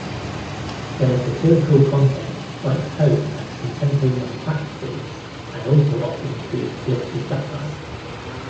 Their satirical content strikes home at contemporary malpractices and also often includes political satire.